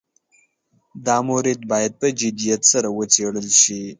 دا مورد باید په جدیت سره وڅېړل شي.